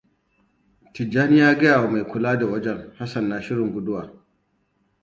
Tijjani ya gayawa mai kula da wajen Hassan na shirin guduwa.